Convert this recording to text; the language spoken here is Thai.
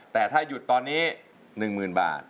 แต่ถ้าหยุดตอนนี้๑๐๐๐บาท